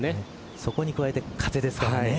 そこに加えて風ですからね。